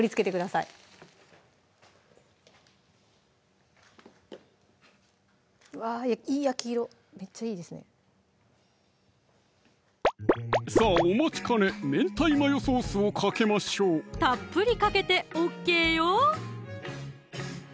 さぁお待ちかね明太マヨソースをかけましょうたっぷりかけてＯＫよ！